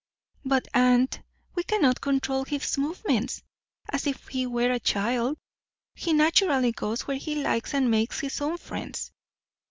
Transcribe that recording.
"But, Aunt, we cannot control his movements as if he were a child. He naturally goes where he likes and makes his own friends."